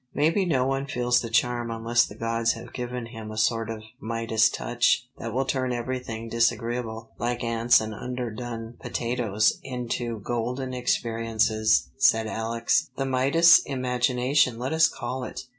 "Maybe no one feels the charm unless the gods have given him a sort of Midas touch that will turn everything disagreeable, like ants and underdone potatoes, into golden experiences," said Alex. "The Midas imagination let us call it.